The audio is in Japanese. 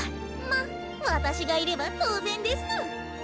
ま私がいれば当然ですの。